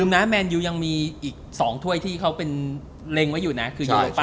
ฮ่าฮ่าฮ่าฮ่าฮ่า